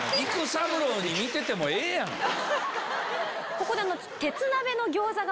ここで。